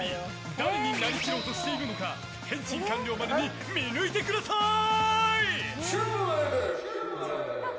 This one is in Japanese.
誰になりきろうとしているのか変身完了までに見抜いてください！